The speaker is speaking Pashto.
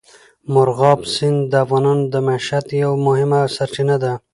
مورغاب سیند د افغانانو د معیشت یوه مهمه سرچینه ده.